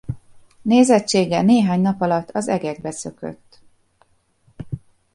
Nézettsége néhány nap alatt az egekbe szökött.